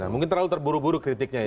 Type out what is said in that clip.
mungkin terlalu terburu buru kritiknya ya